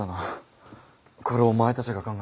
これお前たちが考えたのか？